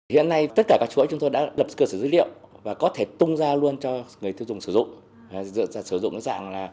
hiện nay tất cả các chuỗi chúng tôi đã lập cơ sở dữ liệu và có thể tung ra luôn cho người tiêu dùng sử dụng dạng